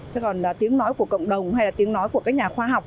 chứ còn tiếng nói của cộng đồng hay là tiếng nói của các nhà khoa học